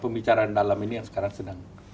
pembicaraan dalam ini yang sekarang sedang